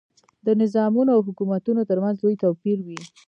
د نظامونو او حکومتونو ترمنځ لوی توپیر وي.